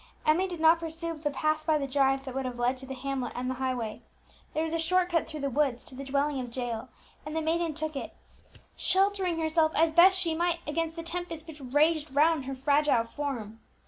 Emmie did not pursue the path by the drive that would have led to the hamlet and the highway; there was a short cut through the woods to the dwelling of Jael, and the maiden took it, sheltering herself as best she might against the tempest which raged round her fragile form.